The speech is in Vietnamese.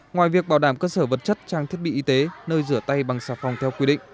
ngoài việc bảo đảm cơ sở vật chất trang thiết bị y tế nơi rửa tay bằng xà phòng theo quy định